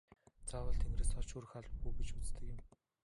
Заавал тэнгэрээс од шүүрэх албагүй гэж үздэг юм.